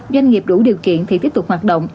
doanh nghiệp đủ điều kiện thì tiếp tục hoạt động